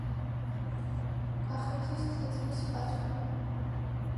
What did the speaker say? კახეთის თეძმის პატრონი.